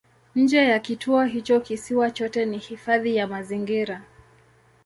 Nje ya kituo hicho kisiwa chote ni hifadhi ya mazingira.